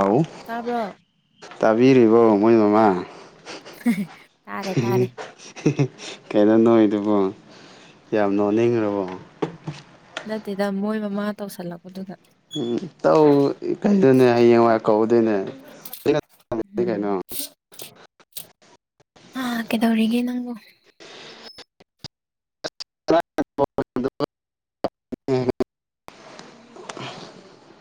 ꯑꯥꯎ ꯇꯥꯕ꯭ꯔꯣ ꯇꯥꯕꯤꯔꯤꯕꯣ ꯃꯣꯏ ꯃꯃꯥ ꯇꯥꯔꯦ ꯇꯥꯔꯦ ꯀꯩꯅꯣ ꯅꯣꯛꯏꯗꯨꯕꯣ ꯌꯥꯝ ꯅꯣꯛꯅꯤꯡꯒ꯭ꯔꯥꯕꯣ ꯅꯠꯇꯦꯗ ꯃꯣꯏ ꯃꯃꯥ ꯇꯧꯁꯜꯂꯛꯄꯗꯨꯗ ꯎꯝ ꯇꯧ ꯀꯩꯅꯣꯅꯦ ꯍꯌꯦꯡꯋꯥꯏ ꯀꯧꯗꯣꯏꯅꯦ ꯎꯝ ꯀꯩꯅꯣ ꯑꯥ ꯀꯩꯗꯧꯔꯤꯒꯦ ꯅꯪꯕꯣ [unintelligible]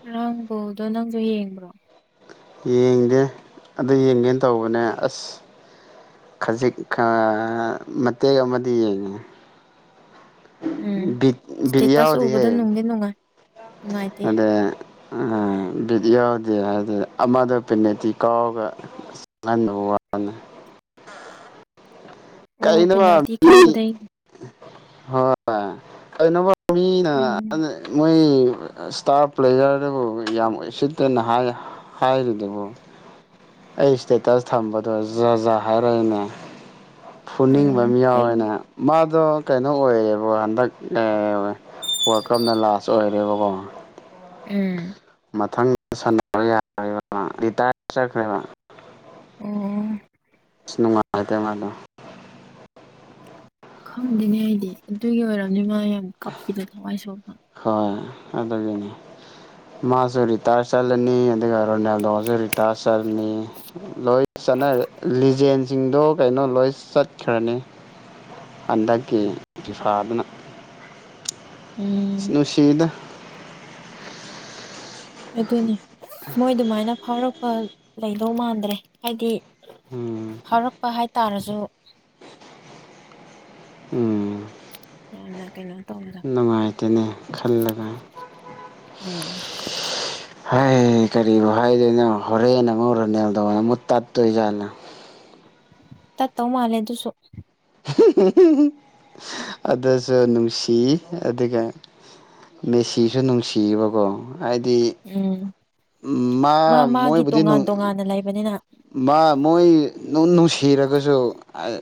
ꯉꯔꯥꯡ ꯕꯣꯜꯗꯣ ꯅꯪꯖꯨ ꯌꯦꯡꯕ꯭ꯔꯣ ꯌꯦꯡꯗꯦ ꯑꯗꯨ ꯌꯦꯡꯒꯦꯅ ꯇꯧꯕꯅꯦ ꯑꯁ ꯈꯖꯤꯛ ꯈꯥ ꯃꯇꯦꯛ ꯑꯃꯗꯤ ꯌꯦꯡꯉꯦ ꯎꯝ ꯕꯤꯠ ꯕꯤꯠ ꯁ꯭ꯇꯦꯇꯁ ꯎꯕꯗꯣ ꯅꯨꯡꯗꯤ ꯅꯨꯡꯉꯥꯏ ꯅꯨꯡꯉꯥꯏꯇꯦ ꯑꯗꯩ ꯑꯥ ꯕꯤꯗꯤꯑꯣ‌ꯗꯤ ꯍꯥꯏꯗꯤ ꯑꯃꯗ ꯄꯦꯅꯥꯏꯟꯇꯤ ꯀꯥꯎꯔꯒ [unintelligible] ꯑꯣ ꯀꯩꯅꯣꯕ ꯄꯦꯅꯥꯜꯇꯤ ꯃꯤ ꯀꯥꯎꯕꯗꯩ ꯍꯣꯏ ꯀꯩꯅꯣꯕ ꯃꯤꯅ ꯎꯝ [unintelligible] ꯃꯣꯏ ꯁ꯭ꯇꯥꯔ ꯄ꯭ꯂꯦꯌꯔꯗꯨꯕꯨ ꯌꯥꯝ ꯎꯁꯤꯠꯇꯅ ꯍꯥꯏ ꯍꯥꯏꯔꯤꯗꯨꯕꯣ ꯑꯩ ꯁ꯭ꯇꯦꯇꯁ ꯊꯝꯕꯗꯣ ꯖꯥꯠ ꯖꯥꯠ ꯍꯥꯏꯔꯛꯏꯅꯦ ꯐꯨꯅꯤꯡꯕ ꯎꯝ ꯃꯤ ꯑꯩ ꯌꯥꯎꯋꯤꯅꯦ ꯃꯥꯗꯣ ꯀꯩꯅꯣ ꯑꯣꯏꯌꯦꯕ ꯍꯟꯗꯛ ꯑꯥ ꯋꯥꯔꯜ ꯀꯞꯅ ꯂꯥꯁ ꯆꯣꯏꯔꯦꯕꯀꯣ ꯎꯝ ꯃꯊꯪ ꯁꯥꯟꯅꯕ ꯌꯥꯔꯔꯣꯏꯕ ꯃꯥ ꯔꯤꯇꯥꯏꯌꯔ ꯆꯠꯈ꯭ꯔꯦ ꯃꯥ ꯑꯣ ꯑꯁ ꯅꯨꯡꯉꯥꯏꯇꯦ ꯃꯥꯗꯣ ꯈꯪꯗꯦꯅꯦ ꯑꯩꯗꯤ ꯑꯗꯨꯒꯤ ꯑꯣꯏꯔꯝꯅꯤ ꯃꯥ ꯌꯥꯝ ꯀꯥꯞꯄꯤꯗ ꯊꯋꯥꯏ ꯁꯣꯛꯅ ꯍꯣꯏ ꯑꯗꯨꯒꯤꯅꯤ ꯃꯥꯁꯨ ꯔꯤꯇꯥꯏꯌꯔ ꯆꯠꯂꯅꯤ ꯑꯗꯨꯒ ꯔꯣꯅꯦꯜꯗꯣꯖꯨ ꯔꯤꯇꯥꯏꯌꯔ ꯆꯠꯂꯅꯤ ꯂꯣꯏ ꯆꯠꯅꯔꯦ ꯂꯤꯖꯦꯟꯁ ꯖꯤꯡꯗꯣ ꯀꯩꯅꯣ ꯂꯣꯏ ꯆꯠꯈ꯭ꯔꯅꯤ ꯍꯟꯗꯛꯀꯤ ꯐꯤꯐꯥꯗꯨꯅ ꯎꯝ ꯅꯨꯡꯁꯤꯍꯤꯗ ꯑꯗꯨꯅꯤ ꯃꯣꯏ ꯗꯨꯃꯥꯏꯅ ꯐꯥꯎꯔꯛꯄ ꯂꯩꯗꯧ ꯃꯥꯟꯗ꯭ꯔꯦ ꯍꯥꯏꯗꯤ ꯎꯝ ꯐꯥꯎꯔꯛꯄ ꯍꯥꯏꯇꯥꯔꯁꯨ ꯎꯝ꯫ ꯌꯥꯝꯅ ꯀꯩꯅꯣ ꯇꯧꯕꯗꯣ ꯅꯨꯡꯉꯥꯏꯇꯅꯦ ꯈꯜꯂꯒ꯫ ꯎꯝ ꯍꯥꯏ ꯀꯔꯤꯕꯨ ꯍꯥꯏꯗꯣꯏꯅꯣ ꯍꯣꯔꯦꯟ ꯑꯃꯨꯛ ꯔꯅꯦꯜꯗꫭꯅ ꯑꯃꯨꯛ ꯇꯥꯠꯇꯣꯏꯖꯥꯠꯂꯥ꯫ ꯇꯠꯇꯧ ꯃꯥꯜꯂꯦ ꯑꯗꯨꯁꯨ꯫ ꯑꯗꯨꯁꯨ ꯅꯨꯡꯁꯤ ꯑꯗꯨꯒ ꯃꯦꯁꯤꯁꯨ ꯅꯨꯡꯁꯤꯌꯦꯕꯀꯣ ꯍꯥꯏꯗꯤ ꯎꯝ ꯎꯝ ꯃꯥ ꯃꯥꯒꯤ ꯃꯣꯏꯕꯨꯗꯤ ꯇꯣꯉꯥꯟ ꯅꯨꯡ ꯇꯣꯉꯥꯟꯅ ꯂꯩꯕꯅꯤꯅ ꯃꯥ ꯃꯣꯏ ꯅꯨꯡ ꯅꯨꯡꯁꯤꯔꯒꯁꯨ ꯑꯩ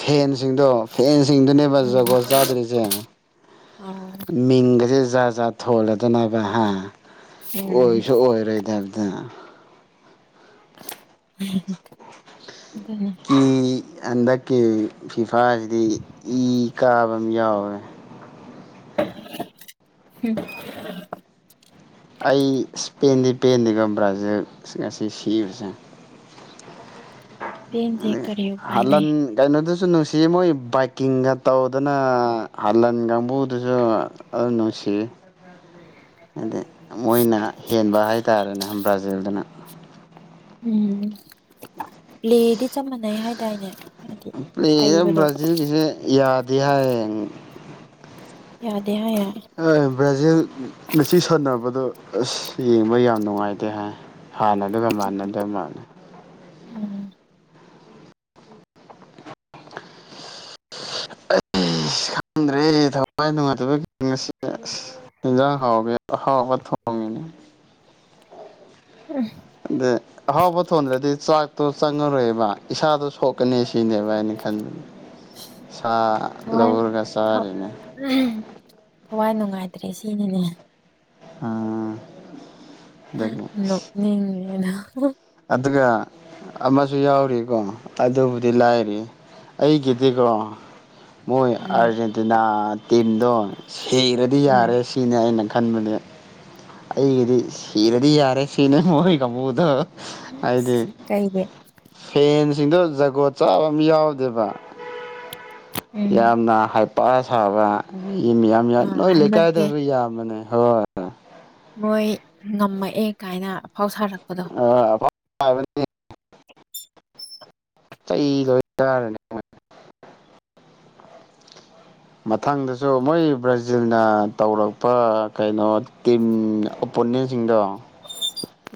ꯐꯦꯟꯁꯤꯡꯗꯣ ꯐꯦꯟꯁꯤꯡꯗꯨꯅꯦꯕ ꯎꯝ ꯖꯒꯣꯠ ꯆꯥꯗ꯭ꯔꯤꯁꯦ꯫ [unintelligible] ꯃꯤꯡꯒꯁꯦ ꯖꯥꯠ ꯖꯥꯠ ꯊꯣꯜꯂꯗꯅꯕ ꯍꯥ ꯎꯝ ꯑꯣꯏꯁꯨ ꯑꯣꯏꯔꯣꯏꯗꯕ [unintelligible] [unintelligible] ꯀꯤ ꯍꯟꯗꯛꯀꯤ ꯐꯤꯐꯥꯁꯤꯗꯤ ꯏ ꯀꯥꯕ ꯑꯃ ꯌꯥꯎꯋꯦ꯫ [unintelligible] ꯑꯩ ꯁ꯭ꯄꯦꯟꯗꯤ ꯄꯦꯟꯗꯤꯒ ꯕ꯭ꯔꯥꯖꯤꯔ ꯉꯁꯤ ꯁꯤꯕꯁꯦ꯫ ꯄꯦꯟꯗꯦ ꯑꯗꯒꯤ ꯀꯔꯤ ꯎꯄꯥꯏ ꯂꯩ꯫ ꯍꯥꯂꯟ ꯀꯩꯅꯣꯗꯨꯁꯨ ꯅꯨꯡꯁꯤ ꯃꯣꯏ ꯕꯥꯏꯛꯀꯤꯡꯒ ꯇꯧꯗꯅ ꯍꯥꯂꯟ ꯀꯥꯡꯕꯨꯗꯨꯁꯨ ꯑ ꯅꯨꯡꯁꯤ꯫ ꯑꯗꯩ ꯃꯣꯏꯅ ꯍꯦꯟꯕ ꯍꯥꯏꯇꯥꯥꯔꯦꯅꯦ ꯕ꯭ꯔꯥꯖꯤꯜꯗꯨꯅ꯫ ꯎꯝ ꯄ꯭ꯂꯦꯗꯤ ꯆꯞ ꯃꯥꯟꯅꯩ ꯍꯥꯏꯇꯥꯏꯅꯦ ꯍꯥꯏꯗꯤ ꯄ꯭ꯂꯦꯗ ꯍꯩꯕꯗꯣ꯫ [inaudible] ꯌꯥꯗꯦ ꯍꯥꯏꯌꯦ꯫ ꯌꯥꯗꯦ ꯍꯥꯏꯌꯦ꯫ ꯍꫭꯏ ꯕ꯭ꯔꯥꯖꯤꯜ ꯉꯁꯤ ꯁꯥꯟꯅꯕꯗꯣ ꯑꯁ ꯌꯦꯡꯕ ꯌꯥꯝ ꯅꯨꯡꯉꯥꯏꯇꯦ ꯍꯥꯏ꯫ ꯍꯥꯟꯅ ꯗꯨꯒ ꯃꯥꯟꯅꯗꯕ ꯃꯥꯜꯂꯦ꯫ ꯎꯝ꯫ ꯑꯩꯁ ꯈꯪꯗ꯭ꯔꯦ ꯊꯋꯥꯏ ꯅꯨꯡꯉꯥꯏꯇꯕꯒꯤ ꯉꯁꯤꯒ ꯑꯁ꯫ [unintelligible] [unintelligible] [unintelligible] ꯑꯍꯥꯎꯕ ꯊꯣꯟꯗ꯭ꯔꯗꯤ ꯆꯥꯛꯇꯣ ꯆꯪꯉꯔꯣꯏꯕ ꯏꯁꯥꯗꯣ ꯁꯣꯛꯀꯅꯤ ꯁꯤꯅꯦꯕ ꯍꯥꯏꯅ ꯈꯟꯕ [inaudible] ꯁꯥ ꯊꯋꯥꯏ ꯂꯧꯔꯒ ꯊ ꯆꯥꯔꯤꯅꯦ ꯎꯝ ꯊꯋꯥꯏ ꯅꯨꯡꯉꯥꯏꯇ꯭ꯔꯦ ꯁꯤꯅꯤꯅꯦ꯫ ꯎꯝ꯫ ꯅꯣꯛꯅꯤꯡꯉꯤ ꯅꯪ꯫ ꯑꯗꯨꯒ ꯑꯃꯁꯨ ꯌꯥꯎꯔꯤꯀꯣ ꯑꯗꯨꯕꯨꯗꯤ ꯂꯥꯏꯔꯤ ꯑꯩꯒꯤꯗꯤꯀꯣ ꯃꯣꯏ ꯎꯝ ꯑꯥꯔꯖꯦꯟꯇꯤꯅꯥ ꯇꯤꯝꯗꯣ ꯁꯤꯔꯗꯤ ꯎꯝ ꯌꯥꯔꯦ꯫ ꯁꯤꯅꯦ ꯑꯩꯅ ꯈꯟꯕꯗꯤ ꯑꯩꯒꯤꯗꯤ ꯁꯤꯔꯗꯤ ꯌꯥꯔꯦ ꯁꯤꯅꯦ ꯃꯣꯏ ꯀꯥꯡꯕꯨꯗꯣ꯫ ꯍꯥꯏꯗꯤ ꯀꯩꯒꯤ ꯐꯦꯟꯁꯤꯡꯗꯣ ꯖꯒꯣꯠ ꯆꯥꯕ ꯑꯃ ꯌꯥꯎꯗꯦꯕ ꯎꯝ ꯌꯥꯝꯅ ꯍꯥꯏꯄꯥ ꯁꯥꯕ ꯃꯤ ꯌꯥꯝ ꯑ ꯌꯥꯏ ꯅꯣꯏ ꯍꯟꯗꯛꯁꯦ ꯂꯩꯀꯥꯏꯗꯁꯨ ꯌꯥꯝꯕꯅꯦ ꯍꯣꯏ ꯃꯣꯏ ꯉꯝꯃꯛꯑꯦ ꯀꯥꯏꯅ ꯑꯐꯥꯎ ꯁꯥꯔꯛꯄꯗꯣ [unintelligible] [unintelligible] ꯆꯩ ꯂꯣꯏ [unintelligible] [inaudible] ꯃꯊꯪꯗꯁꯨ ꯃꯣꯏ ꯕ꯭ꯔꯥꯖꯤꯜꯅ ꯇꯧꯔꯛꯄ ꯀꯩꯅꯣ ꯇꯤꯝ ꯑꯣꯄꯣꯅꯦꯟꯁꯤꯡꯗꯣ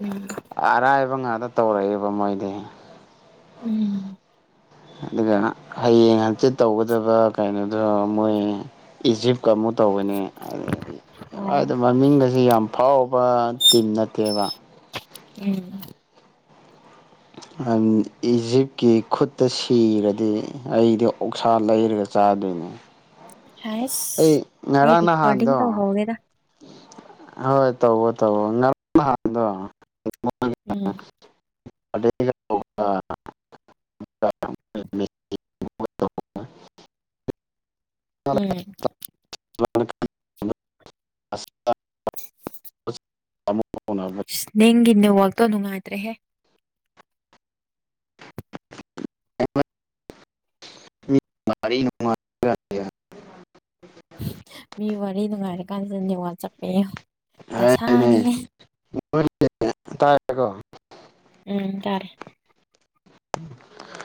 ꯎꯝ ꯑꯥꯔꯥꯏꯕ ꯉꯥꯛꯇ ꯇꯧꯔꯑꯦꯕ ꯃꯣꯏꯗꯤ ꯎꯝ ꯑꯗꯨꯗꯅ ꯍꯌꯦꯡ ꯍꯪꯆꯤꯠ ꯇꯧꯒꯗꯕ ꯀꯩꯅꯣꯗꯣ ꯃꯣꯏ ꯏꯖꯤꯞ ꯀꯃꯨꯠ ꯇꯧꯒꯅꯤ ꯑꯣ ꯑꯔꯥꯏꯗ ꯃꯃꯤꯡꯒꯖꯦ ꯌꯥꯝ ꯐꯥꯎꯕ ꯇꯤꯝ ꯅꯠꯇꯦꯕ ꯎꯝ [unintelligible] ꯏꯖꯤꯞꯀꯤ ꯈꯨꯠꯇ ꯁꯤꯔꯗꯤ ꯑꯩꯗꯤ ꯑꯣꯛꯁꯥ ꯂꯩꯔꯒ ꯆꯥꯗꯣꯏꯅꯦ ꯍꯥꯏꯁ ꯑꯩ ꯑꯩ ꯉꯔꯥꯡ ꯔꯦꯀꯣꯔꯗꯤꯡ ꯅꯍꯥꯟꯗꯣ ꯇꯧꯍꯧꯒꯦꯗ ꯍꯣꯏ ꯇꯧꯋꯣ ꯇꯧꯋꯣ [unintelligible] ꯅꯍꯥꯟꯗꯣ ꯎꯝ [unintelligible] [unintelligible] ꯎꯝ [unintelligible] [unintelligible] ꯏꯁ ꯅꯪꯒꯤ ꯅꯦꯋꯥꯛꯇꯣ ꯅꯨꯡꯉꯥꯏꯇ꯭ꯔꯦꯍꯦ [unintelligible] ꯃꯤ ꯋꯥꯔꯤ ꯅꯨꯡꯉꯥꯏꯔꯀꯥꯟꯖꯤꯗ ꯅꯦꯋꯥꯛ ꯆꯞꯄꯦ ꯍꯥꯏꯅꯦ ꯗꯁꯥꯅꯤꯌꯦ ꯇꯥꯏꯀꯣ ꯎꯝ ꯇꯥꯔꯦ